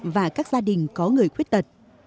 và các gia đình có người khuyết tật